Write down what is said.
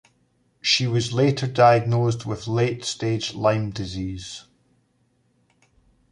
She was later diagnosed with late stage Lyme disease.